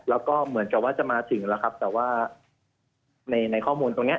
แล้วก็เหมือนกับว่าจะมาถึงแล้วครับแต่ว่าในข้อมูลตรงนี้